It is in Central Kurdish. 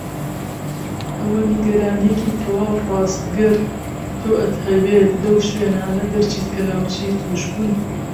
ئەوە نیگەرانیەکی تەواو ڕاستەگەر تۆ ئەتهەویت لەو شوێنانە دەرچیت کە ناوچەی توشبوون.